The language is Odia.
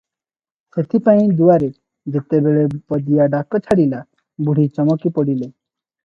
ସେଥିପାଇଁ ଦୁଆରେ ଯେତେବେଳେ ପିଆଦା ଡକା ଛାଡ଼ିଲା, ବୁଢ଼ୀ ଚମକି ପଡ଼ିଲେ ।